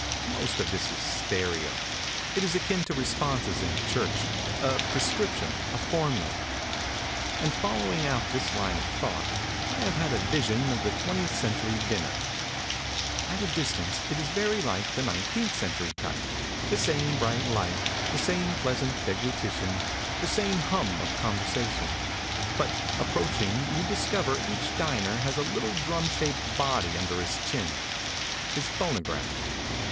Most of this is stereo. It is akin to responses in church, a prescription, a formula. And, following out this line of thought, I have had a vision of the twentieth century dinner. At a distance it is very like the nineteenth century type; the same bright light, the same pleasant deglutition, the same hum of conversation; but, approaching, you discover each diner has a little drum shaped body under his chin his phonograph.